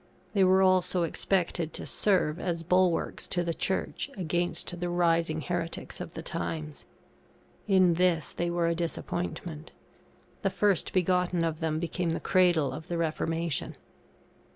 They were also expected to serve as bulwarks to the Church against the rising heretics of the times. In this they were a disappointment; the first begotten of them became the cradle of the Reformation.